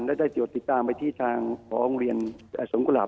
แล้วได้เจียวจิตตามไปที่ทางหองเรียนสงโกฬาบ